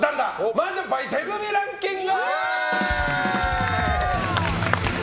麻雀牌手積みランキング！